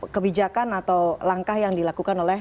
kebijakan atau langkah yang dilakukan oleh